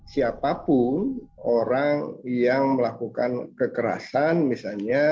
siapapun orang yang melakukan kekerasan misalnya